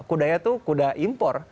kudanya tuh kuda impor